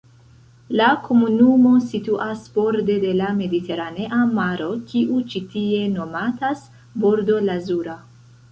La komunumo situas borde de la Mediteranea Maro, kiu ĉi tie nomatas Bordo Lazura.